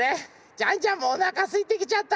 ジャンジャンもおなかすいてきちゃった。